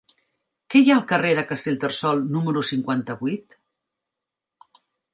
Què hi ha al carrer de Castellterçol número cinquanta-vuit?